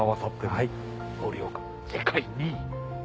世界２位！